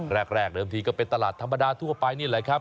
แรกเดิมทีก็เป็นตลาดธรรมดาทั่วไปนี่แหละครับ